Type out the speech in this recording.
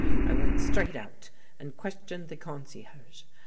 I went straight out and questioned the concierge.